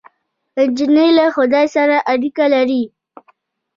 نجلۍ له خدای سره اړیکه لري.